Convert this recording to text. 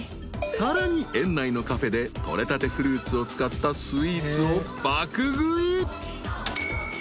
［さらに園内のカフェでとれたてフルーツを使ったスイーツを爆食い］